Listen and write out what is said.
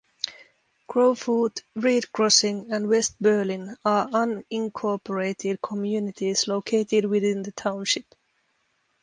Crow Foot, Reed Crossing and West Berlin are unincorporated communities located within the township.